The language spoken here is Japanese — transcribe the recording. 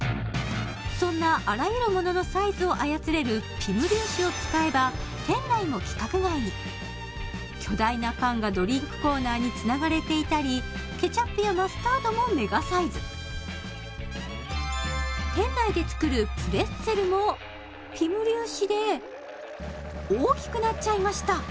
そんなあらゆるもののサイズを操れるピム粒子を使えば店内も規格外に巨大な缶がドリンクコーナーにつながれていたりケチャップやマスタードもメガサイズ店内で作るプレッツェルもピム粒子で大きくなっちゃいました